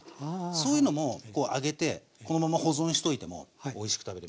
そういうのも揚げてこのまま保存しといてもおいしく食べれます。